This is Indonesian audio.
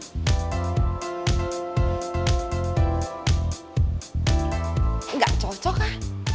enggak cocok ah